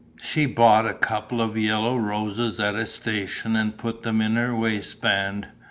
She bought a couple of yellow roses at a station and put them in her waistband.